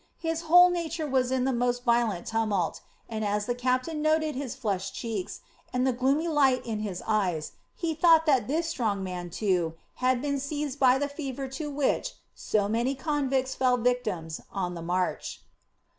His whole nature was in the most violent tumult and as the captain noted his flushed cheeks and the gloomy light in his eyes he thought that this strong man, too, had been seized by the fever to which so many convicts fell victims on the march.